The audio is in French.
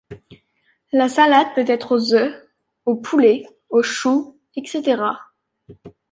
La salade peut être aux œufs, au poulet, au chou, etc.